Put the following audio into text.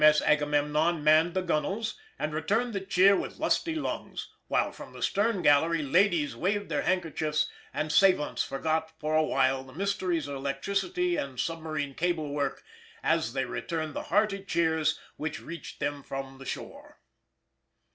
M.S. Agamemnon manned the gunwales, and returned the cheer with lusty lungs, while from the stern gallery, ladies waved their handkerchiefs, and savants forgot for a while the mysteries of electricity and submarine cable work, as they returned the hearty cheers which reached them from the shore.